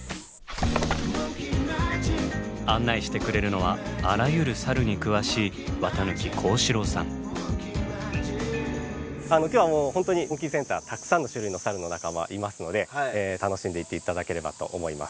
案内してくれるのはあらゆるサルに詳しい今日はもう本当にモンキーセンターたくさんの種類のサルの仲間いますので楽しんでいって頂ければと思います。